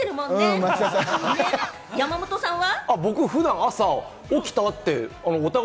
山本さんは？